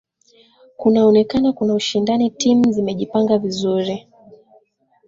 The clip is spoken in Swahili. kunaonekana kuna ushindani timu zimejipanga vizuri